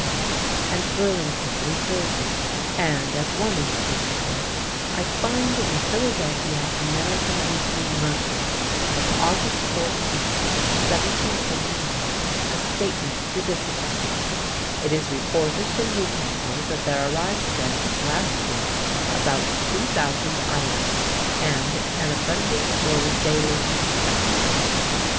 and Burlington, N, J., and, as one instance of this, I find in the Philadelphia American Weekly Mercury of August 14, 1729, a statement to this effect: "It is reported from Newcastle that there arrived there this last week about 2000 Irish and an abundance more daily expected."